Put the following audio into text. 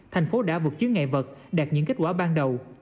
thành phố đã vượt chứa ngại vật đạt những kết quả ban đầu